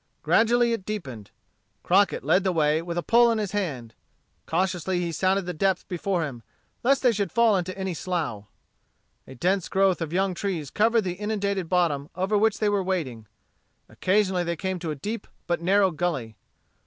Gradually it deepened. Crockett led the way, with a pole in his hand. Cautiously he sounded the depth before him, lest they should fall into any slough. A dense growth of young trees covered the inundated bottom over which they were wading. Occasionally they came to a deep but narrow gully.